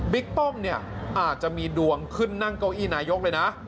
ป้อมเนี่ยอาจจะมีดวงขึ้นนั่งเก้าอี้นายกเลยนะ